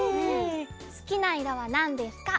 すきないろはなんですか？